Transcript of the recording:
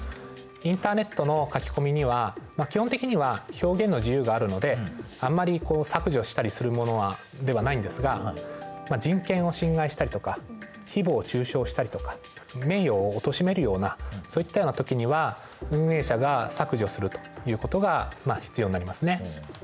インターネットの書き込みには基本的には表現の自由があるのであんまりこう削除したりするものではないんですが人権を侵害したりとかひぼう中傷したりとか名誉をおとしめるようなそういったような時には運営者が削除するということが必要になりますね。